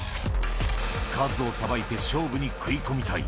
数をさばいて勝負に食い込みたい。